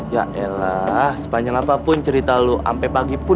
ya ella sepanjang apapun cerita lu sampai pagi pun